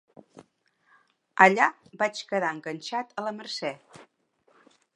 Allà vaig quedar enganxat a la Mercè.